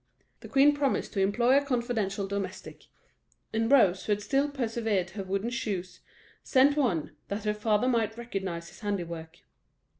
The queen promised to employ a confidential domestic; and Rose, who had still preserved her wooden shoes, sent one, that her father might recognise his handiwork.